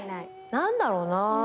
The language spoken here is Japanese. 何だろうな。